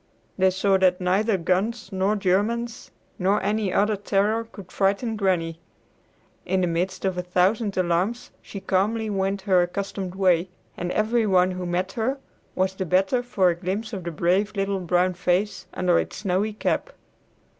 They saw that neither guns nor Germans nor any other terror could frighten Granny. In the midst of a thousand alarms she calmly went her accustomed way, and every one who met her was the better for a glimpse of the brave little brown face under its snowy cap.